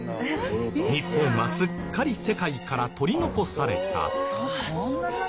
日本はすっかり世界から取り残された。